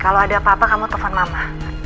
kalau ada apa apa kamu telpon mama